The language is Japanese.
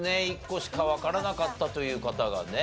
１個しかわからなかったという方がね。